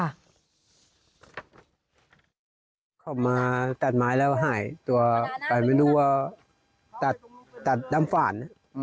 เขามาตัดไม้แล้วหายตัวไปไม่รู้ว่าตัดน้ำฝ่าน